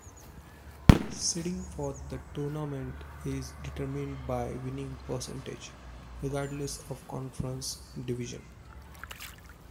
Seeding for the tournament is determined by winning percentage, regardless of conference division.